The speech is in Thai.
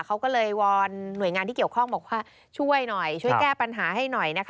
เขาก็เลยวอนหน่วยงานที่เกี่ยวข้องบอกว่าช่วยหน่อยช่วยแก้ปัญหาให้หน่อยนะคะ